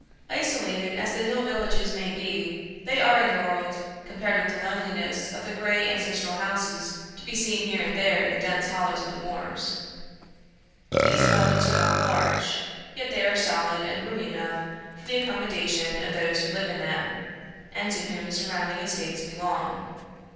Isolated as the hill villages may be, they are in the world, compared with the loneliness of the grey ancestral houses to be seen here and there in the dense hollows of the moors. These dwellings are not large, yet they are solid and roomy enough for the accommodation of those who live in them, and to whom the surrounding estates belong.